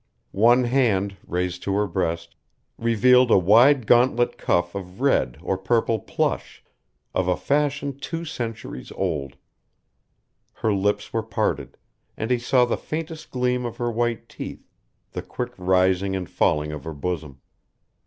One hand, raised to her breast, revealed a wide gauntlet cuff of red or purple plush, of a fashion two centuries old. Her lips were parted, and he saw the faintest gleam of her white teeth, the quick rising and falling of her bosom.